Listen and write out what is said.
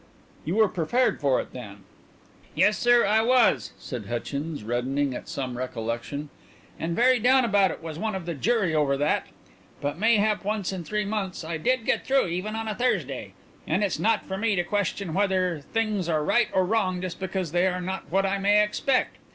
"You were prepared for it then?" "Yes, sir, I was," said Hutchins, reddening at some recollection, "and very down about it was one of the jury over that. But, mayhap once in three months, I did get through even on a Thursday, and it's not for me to question whether things are right or wrong just because they are not what I may expect.